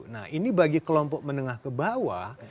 nah ini bagi kelompok menengah ke bawah